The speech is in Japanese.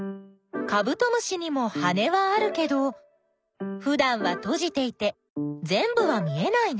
カブトムシにも羽はあるけどふだんはとじていてぜんぶは見えないね。